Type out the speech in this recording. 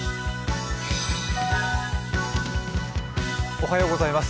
おはようございます。